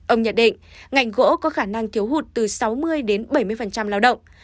ông nhận định ngành gỗ có khả năng thiếu hụt từ sáu mươi đến bảy mươi lao động